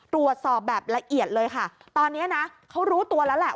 ตรวจสอบแบบละเอียดเลยค่ะตอนนี้นะเขารู้ตัวแล้วแหละ